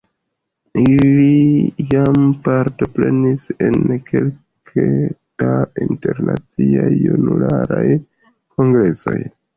Ili jam partoprenis en kelke da Internaciaj Junularaj Kongresoj.